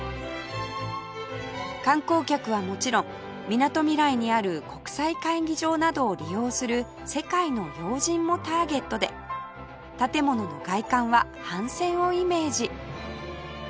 観光客はもちろんみなとみらいにある国際会議場などを利用する世界の要人もターゲットで建物の外観は帆船をイメージ